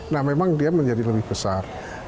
nah memang dia menjadi lebih besar